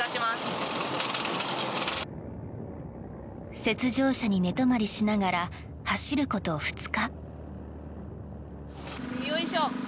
雪上車に寝泊まりしながら走ること２日。